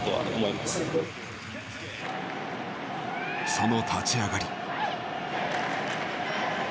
その立ち上がり。